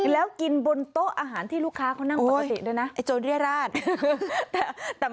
แล้วกินบนโต๊ะอาหารที่ลูกค้าเขานั่งปกติด้วยนะไอ้โจรเรียราช